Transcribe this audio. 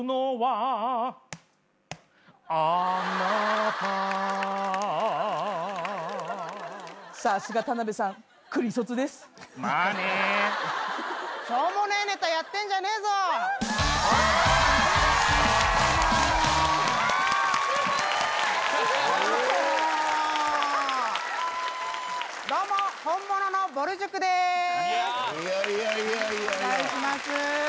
お願いします。